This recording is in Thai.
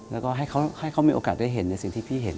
แล้วก็ให้เขามีโอกาสได้เห็นในสิ่งที่พี่เห็น